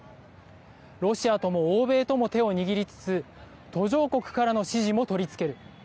ロシアとも欧米とも手を握りつつ途上国からの支持も取り付ける。